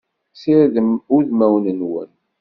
Sirdem udmawen-nwen!